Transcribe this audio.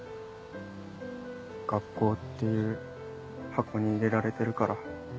学校っていう箱に入れられてるから。